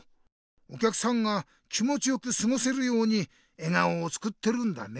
おきゃくさんが気もちよくすごせるように笑顔を作ってるんだね。